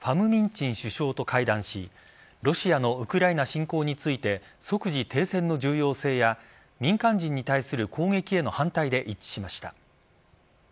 チン首相と会談しロシアのウクライナ侵攻について即時停戦の重要性や民間人に対する攻撃への反対で一致しました。